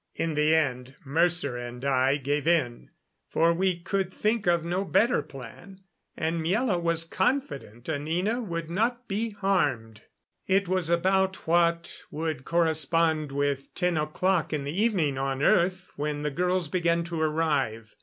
In the end Mercer and I gave in, for we could think of no better plan, and Miela was confident Anina would not be harmed. It was about what would correspond with ten o'clock in the evening on earth when the girls began to arrive.